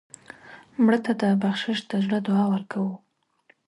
مړه ته د بخشش د زړه دعا ورکوو